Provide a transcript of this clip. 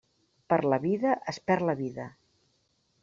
Per la vida es perd la vida.